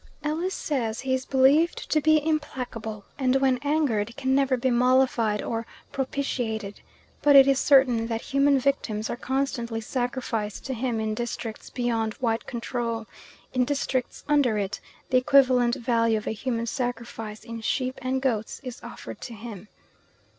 Ellis says he is believed to be implacable, and when angered can never be mollified or propitiated, but it is certain that human victims are constantly sacrificed to him in districts beyond white control; in districts under it, the equivalent value of a human sacrifice in sheep and goats is offered to him.